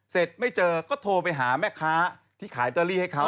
เสร็จไม่เจอก็โทรไปหาแม่ค้าที่ขายตัวรีให้เขา